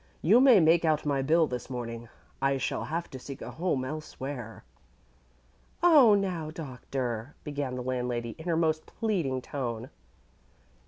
You may make out my bill this morning. I shall have to seek a home elsewhere." "Oh, now, Doctor!" began the landlady, in her most pleading tone.